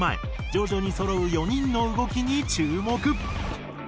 徐々にそろう４人の動きに注目。